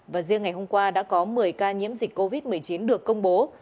và riêng ngày hôm qua đã có một mươi ca nhiễm dịch covid một mươi chín được công bố